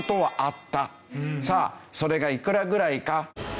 さあそれがいくらぐらいか？